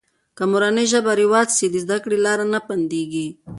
که مورنۍ ژبه رواج سي، د زده کړې لاره نه بندېږي.